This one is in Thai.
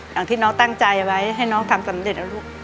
อย่างที่น้องตั้งใจไว้ให้น้องทำสำเร็จนะลูก